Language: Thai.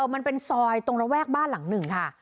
มันเป็นซอยตรงระแวกบ้านหลังหนึ่งค่ะ